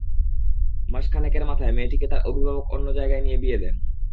মাস খানেকের মাথায় মেয়েটিকে তার অভিভাবক অন্য জায়গায় নিয়ে বিয়ে দেন।